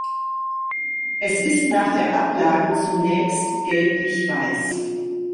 Es ist nach der Ablage zunächst gelblichweiß.